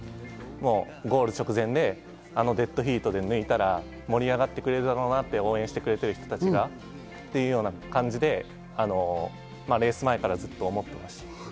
ゴール直前でデッドヒートで抜いたら、盛り上がってくれるだろうなと応援してくれる人たちがそんな感じでレース前からずっと思っていました。